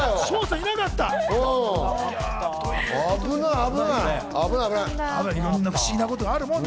いろんな不思議なものがあるもんだ